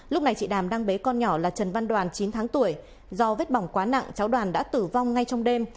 lúc này chị đàm đang bế con nhỏ là trần văn đoàn chín tháng tuổi do vết bỏng quá nặng cháu đoàn đã tử vong ngay trong đêm